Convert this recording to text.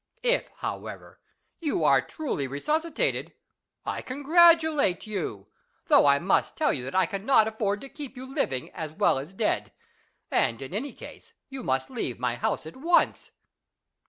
If, however, you are truly resuscitated, I congratulate you, although I must tell you that I cannot afford to keep you living as well as dead, and in that case you must leave my house at once.